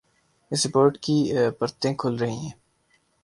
اس report کی پرتیں کھل رہی ہیں۔